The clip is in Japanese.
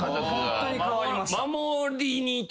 ホントに変わりました。